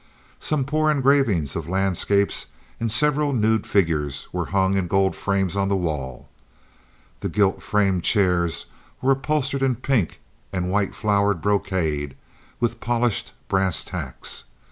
Some poor engravings of landscapes and several nude figures were hung in gold frames on the wall. The gilt framed chairs were upholstered in pink and white flowered brocade, with polished brass tacks.